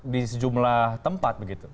di sejumlah tempat